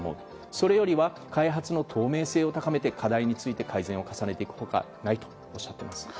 それよりは開発の透明性を高めて課題について改善を重ねていく他ないとおっしゃっています。